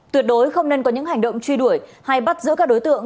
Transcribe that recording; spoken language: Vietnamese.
tuyệt đối không nên có những hành động truy đuổi hay bắt giữ các đối tượng